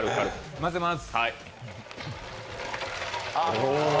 混ぜます。